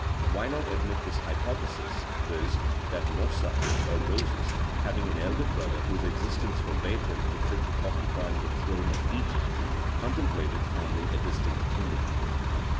Why not admit this hypothesis, viz., that Mossa, or Moses, having an elder brother whose existence forbade him to think of occupying the throne of Egypt, contemplated founding a distinct kingdom.